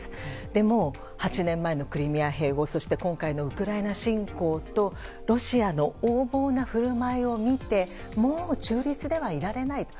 でも、８年前のクリミア併合そして今回のウクライナ侵攻とロシアの横暴な振る舞いを見てもう中立ではいられないと。